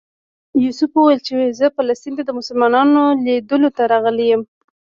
یوسف ویل چې زه فلسطین ته د مسلمانانو لیدلو ته راغلی یم.